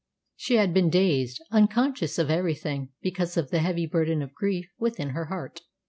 She had been dazed, unconscious of everything, because of the heavy burden of grief within her heart.